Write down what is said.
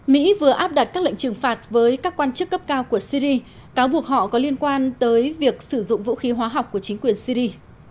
mỹ vừa áp đặt các lệnh trừng phạt với các quan chức cấp cao của syri cáo buộc họ có liên quan tới việc sử dụng vũ khí hóa học của chính quyền syri